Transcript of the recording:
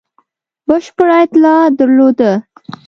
بشپړه اطلاع درلوده.